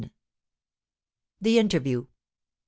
THE INTERVIEW.